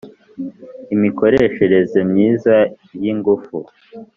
imikoreshereze myiza y ingufu